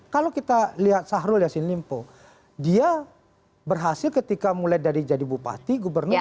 kalau kita lihat sahrul yassin limpo dia berhasil ketika mulai dari jadi bupati gubernur